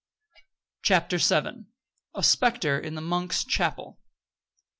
CHAPTER VII. A SPECTER IN THE MONKS' CHAPEL.